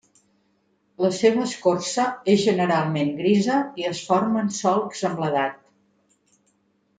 La seva escorça és generalment grisa i es formen solcs amb l'edat.